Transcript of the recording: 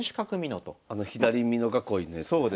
あの左美濃囲いのやつですね。